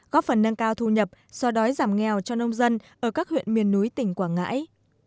góp phần nâng cao thu nhập so đói giảm nghèo cho nông dân ở các huyện miền núi tỉnh quảng ngãi